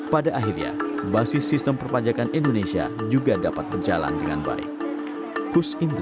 pada akhirnya basis sistem perpajakan indonesia juga dapat berjalan dengan baik